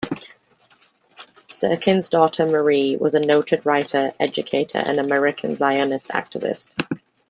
Syrkin's daughter Marie was a noted writer, educator and American Zionist activist.